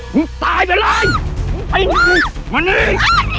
มึงตายไปเลยมึงไปหนีมาหนี